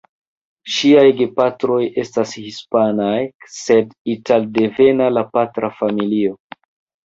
Ŝiaj gepatroj estas hispanaj sed italdevena la patra familio.